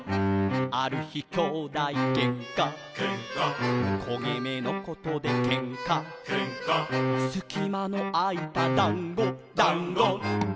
「ある日兄弟げんか」「けんか」「こげ目のことでけんか」「けんか」「すきまのあいただんご」「だんご」